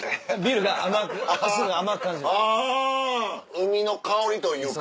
海の香りというか。